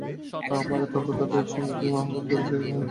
তারপর তারা তাদের এক সঙ্গীকে আহ্বান করল, সে ওকে ধরে হত্যা করল।